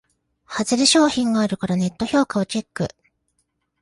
ハズレ商品があるからネット評価をチェック